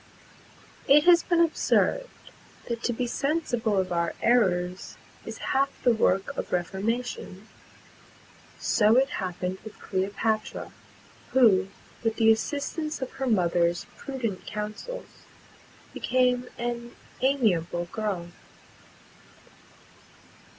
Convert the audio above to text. It has been observed, that to be sensible of our errors is half the work of reformation. [Pg 196]So it happened with Cleopatra, who with the assistance of her mother's prudent counsels, became an amiable girl.